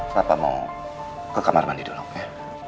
kenapa mau ke kamar mandi dulu ya